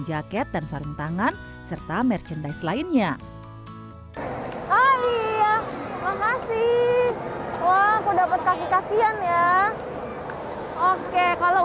jaket dan sarung tangan serta merchandise lainnya oh iya makasih wah aku dapat kaki kakian ya oke kalau